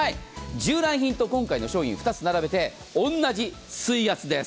従来品と今回の商品、２つ並べて同じ水圧です。